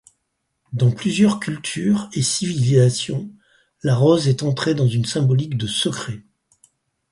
Dans plusieurs cultures et civilisations la rose est entrée dans une symbolique de secret.